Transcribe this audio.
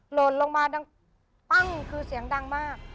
หล่นลงมาดังปั้งคือเสียงดังมาก